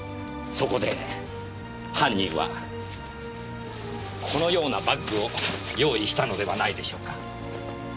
そこで犯人はこのようなバッグを用意したのではないでしょうか。